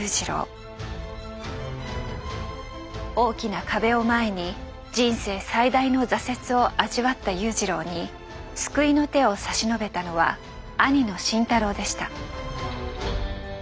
大きな壁を前に人生最大の挫折を味わった裕次郎に救いの手を差し伸べたのは兄の慎太郎でした。